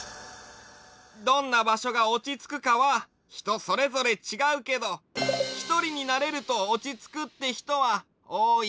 どんなばしょがおちつくかはひとそれぞれちがうけどひとりになれるとおちつくってひとはおおいよね。